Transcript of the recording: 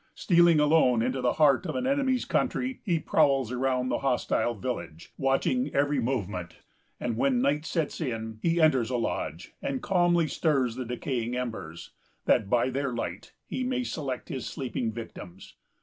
Stealing alone into the heart of an enemy's country, he prowls around the hostile village, watching every movement; and when night sets in, he enters a lodge, and calmly stirs the decaying embers, that, by their light, he may select his sleeping victims.